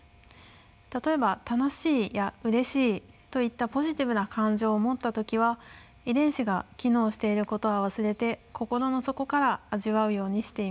例えば「楽しい」や「うれしい」といったポジティブな感情を持った時は遺伝子が機能していることは忘れて心の底から味わうようにしています。